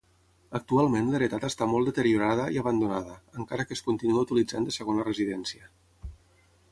Actualment l'heretat està molt deteriorada i abandonada, encara que es continua utilitzant de segona residència.